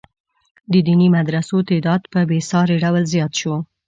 د دیني مدرسو تعداد په بې ساري ډول زیات شو.